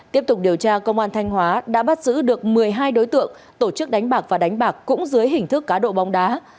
tiếp tục điều tra công an thanh hóa đã bắt giữ được một mươi hai đối tượng tổ chức đánh bạc và đánh bạc cũng dưới hình thức cá độ bóng đá